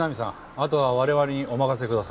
あとは我々にお任せください。